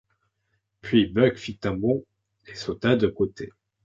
Puis Buck fit un bond et sauta de côté.